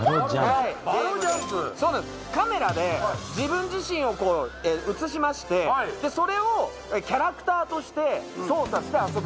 カメラで自分自身を映しましてそれをキャラクターとして操作して遊ぶゲームになってます。